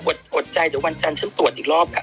กันใช่เดี๋ยวอดอดใจเดี๋ยววันจันทร์ฉันตรวจอีกรอบล่ะ